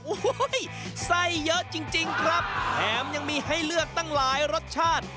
โอ้โหไส้เยอะจริงครับแถมยังมีให้เลือกตั้งหลายรสชาติ